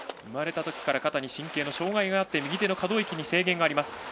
生まれたときから肩に神経の障がいがあって右手の可動域に制限があります。